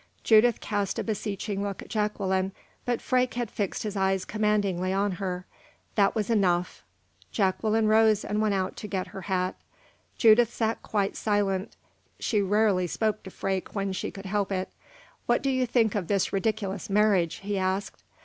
Judith cast a beseeching look at Jacqueline, but Freke had fixed his eyes commandingly on her. That was enough. Jacqueline rose and went out to get her hat. Judith sat quite silent. She rarely spoke to Freke when she could help it. "What do you think of this ridiculous marriage?" he asked.